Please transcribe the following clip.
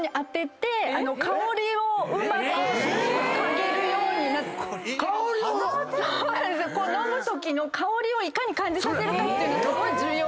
香りを⁉飲むときの香りをいかに感じさせるかっていうのすごい重要で。